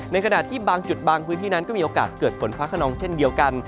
ในขณะที่บางจุดบางพื้นที่นั้นก็มีโอกาสเกิดฝนฟ้าขนองเช่นเดียวกัน